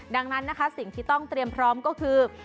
ดังนั้นนะคะสิ่งที่ต้องเตรียมพร้อมก็คือ